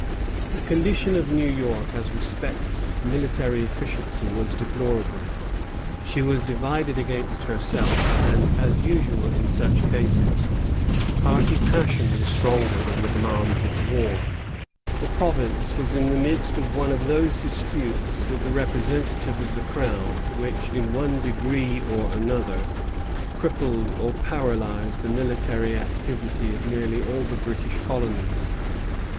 The condition of New York as respects military efficiency was deplorable. She was divided against herself, and, as usual in such cases, party passion was stronger than the demands of war. The province was in the midst of one of those disputes with the representative of the Crown, which, in one degree or another, crippled or paralyzed the military activity of nearly all the British colonies.